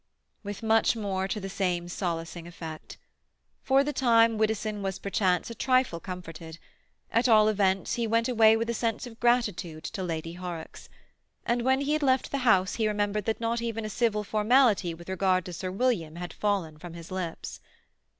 With much more to the same solacing effect. For the time Widdowson was perchance a trifle comforted; at all events, he went away with a sense of gratitude to Lady Horrocks. And when he had left the house he remembered that not even a civil formality with regard to Sir William had fallen from his lips.